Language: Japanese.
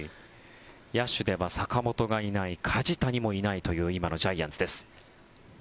野手では坂本がいない梶谷もいないという今のジャイアンツです。